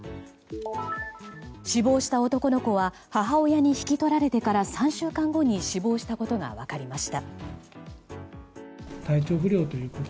死亡した男の子は母親に引き取られてから３週間後に死亡したことが分かりました。